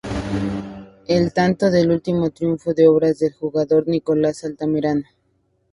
El tanto del último triunfo fue obra del jugador Nicolás Altamirano.